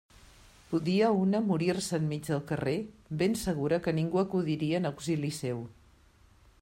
Podia una morir-se enmig del carrer, ben segura que ningú acudiria en auxili seu.